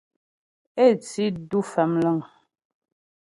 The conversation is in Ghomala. Ě tí du Famləŋ.